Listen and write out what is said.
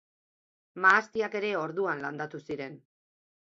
Mahastiak ere orduan landatu ziren.